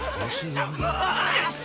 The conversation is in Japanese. よし！